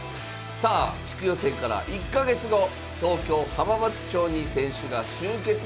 さあ地区予選から１か月後東京・浜松町に選手が集結いたしました。